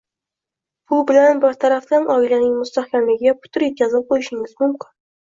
Bu bilan bir tarafdan oilaning mustahkamligiga putur yetkazib qo‘yishingiz mumkin